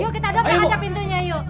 yuk kita doang aja pintunya yuk